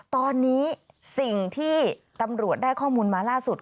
ตอนนี้สิ่งที่ตำรวจได้ข้อมูลมาล่าสุด